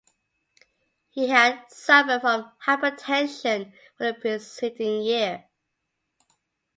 He had suffered from hypertension for the preceding year.